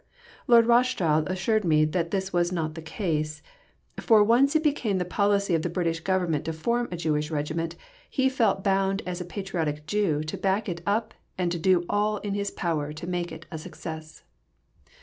Lord Rothschild assured me that this was not the case; for, once it became the policy of the British Government to form a Jewish Regiment, he felt bound as a patriotic Jew to back it up and do all in his power to make it a success.